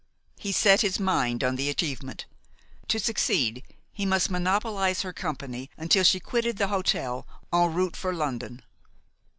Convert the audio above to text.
He set his mind on the achievement. To succeed, he must monopolize her company until she quitted the hotel en route for London.